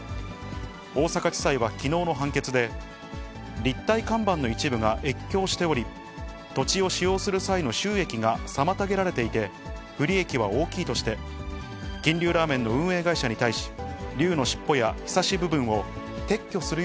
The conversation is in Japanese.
大阪地裁はきのうの判決で、立体看板の一部が越境しており、土地を使用する際の収益が妨げられていて、不利益は大きいとして、金龍ラーメンの運営会社に対し、龍の尻尾やひさし部分を撤去する